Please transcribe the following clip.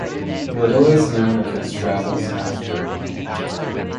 Little is known of his travels after.